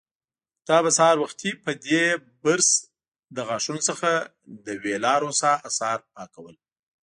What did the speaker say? تا به سهار وختي په دې برس له غاښونو څخه د وېلاروسا آثار پاکول.